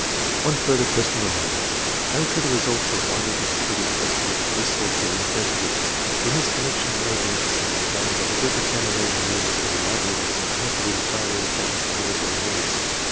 One further question remained. How should the results of widely distributed testing of this sort be interpreted? In this ^ connection it may be emphasized aga^in that the group examina tion used in the Army was interpreted entirely in terms of military needs.